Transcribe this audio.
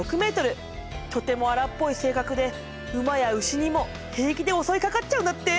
とても荒っぽい性格で馬や牛にも平気で襲いかかっちゃうんだって。